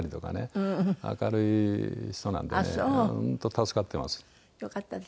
明るい人なんでね本当助かってます。